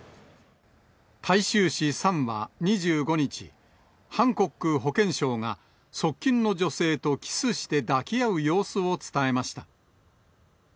大衆紙、サンは、２５日、ハンコック保健相が、側近の女性とキスして抱き合う様子を伝えました。